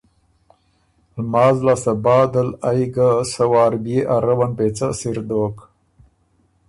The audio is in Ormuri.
لماز لاسته بعدل ائ ګه سۀ وار بيې ا روّن پېڅه سِر دوک